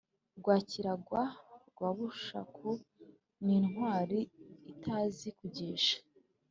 Rwakirangwa rwa Bushaku ni Intwari-itazi-kugîsha